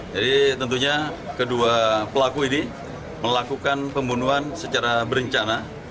jadi tentunya kedua pelaku ini melakukan pembunuhan secara berencana